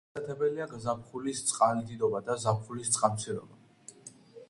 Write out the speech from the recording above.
დამახასიათებელია გაზაფხულის წყალდიდობა და ზაფხულის წყალმცირობა.